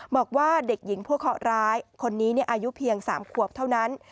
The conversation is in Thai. บอกว่าเด็กหญิงผู้เคาะร้ายคนนี้อายุเพียง๓ขวบเท่านั้น